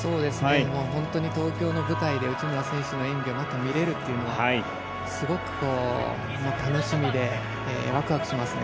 本当に東京の舞台で内村選手の演技をまた見れるというのはすごく楽しみでワクワクしますね。